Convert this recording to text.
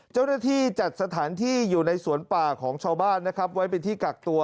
เจ้าหน้าที่จัดสถานที่อยู่ในสวนป่าของชาวบ้านนะครับไว้เป็นที่กักตัว